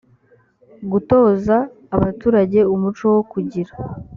gutoza abaturage umuco wo kugira